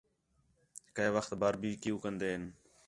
کَئے وخت بار بی کیو کندین